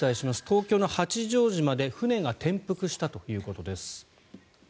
東京の八丈島で船が転覆したということです。